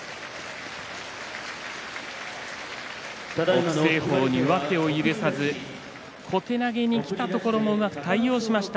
北青鵬に上手を許さず小手投げにきたところをうまく対応しました。